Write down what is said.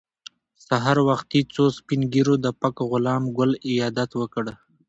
سهار وختي څو سپین ږیرو د پک غلام ګل عیادت وکړ.